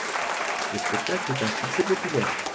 Le spectacle est un succès populaire.